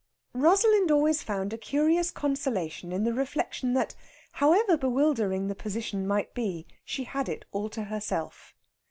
Rosalind always found a curious consolation in the reflection that, however bewildering the position might be, she had it all to herself.